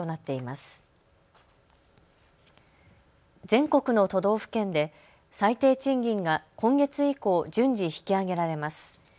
全国の都道府県で最低賃金が今月以降、順次引き上げられます。